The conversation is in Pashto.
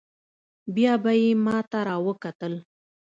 بيا به يې ما ته راوکتل.